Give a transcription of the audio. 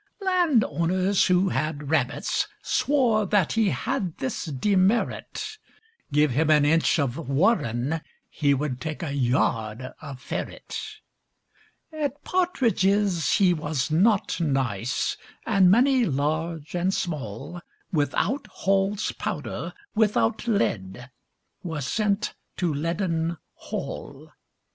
Land owners, who had rabbits, swore That he had this demerit Give him an inch of warren, he Would take a yard of ferret. At partridges he was not nice; And many, large and small, Without Hall's powder, without lead, Were sent to Leaden Hall.